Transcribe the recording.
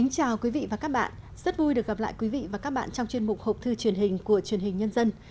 chào mừng quý vị đến với bộ phim học thư truyền hình của truyền hình nhân dân